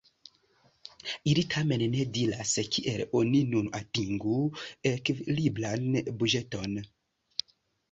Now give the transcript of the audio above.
Ili tamen ne diras, kiel oni nun atingu ekvilibran buĝeton.